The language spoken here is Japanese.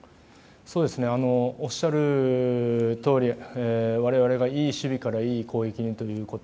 おっしゃるとおり我々がいい守備からいい攻撃にということ